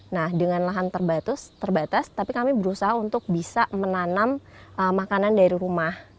nah dengan lahan terbatas tapi kami berusaha untuk bisa menanam makanan dari rumah